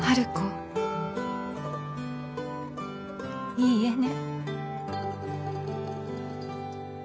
いい絵ね。